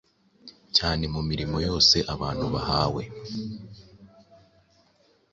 cyane mu mirimo yose abantu bahawe;